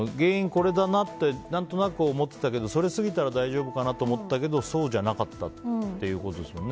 これかなって思ってたけどそれを過ぎたら大丈夫かなと思ったけどそうじゃなかったってことですよね。